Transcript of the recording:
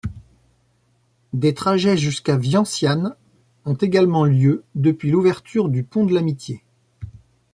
Des trajets jusqu’à Vientiane ont également lieu depuis l'ouverture du pont de l'amitié.